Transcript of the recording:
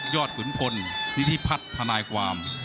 ยอดขุนทนนิธิพัฒนาความ